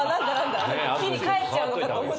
木にかえっちゃうのかと思った。